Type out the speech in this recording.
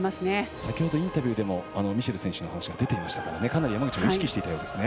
先ほどインタビューでもミシェル選手の話が出ていましたから、かなり山口も意識していたようですね。